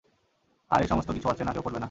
আর এই সমস্ত কিছু অচেনা কেউ করবে না।